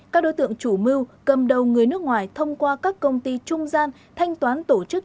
các đối tượng chủ mưu cầm đầu người nước ngoài thông qua các công ty trung gian thanh toán tổ chức